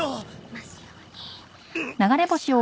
ますように。